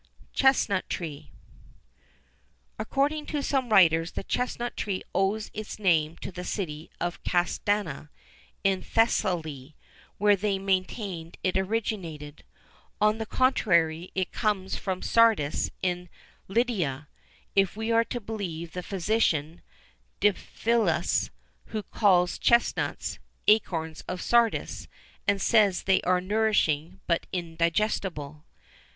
CHESNUT TREE. According to some writers the chesnut tree owes its name to the city of Castana, in Thessaly, where they maintained it originated. On the contrary, it comes from Sardis, in Lydia, if we are to believe the physician, Diphilus, who calls chesnuts, acorns of Sardis, and says they are nourishing, but indigestible.